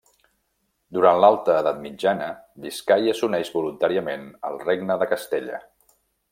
Durant l'alta edat mitjana, Biscaia s'uneix voluntàriament al Regne de Castella.